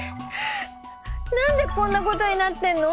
何でこんなことになってるの？